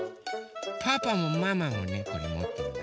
パパもママもねこれもってるよ。